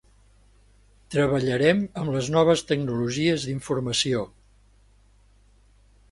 Treballarem amb les noves tecnologies d'informació.